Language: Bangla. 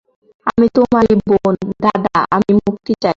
আমি তোমারই বোন, দাদা, আমি মুক্তি চাই।